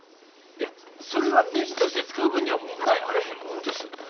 いやそれはねじとして使う分には問題あれへんもんです。